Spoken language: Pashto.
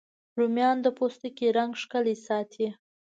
رومیان د پوستکي رنګ ښکلی ساتي